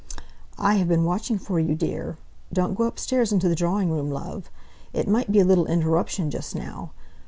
"I've been watching for you, dear. Don't go upstairs into the drawing room, love. It might be a little interruption just now.